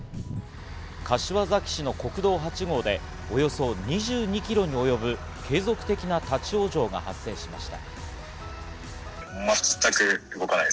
柏崎市の国道８号で、およそ２２キロに及ぶ継続的な立ち往生が発生しました。